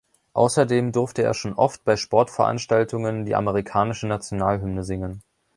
Außerdem durfte er schon oft bei Sportveranstaltungen die amerikanische Nationalhymne singen.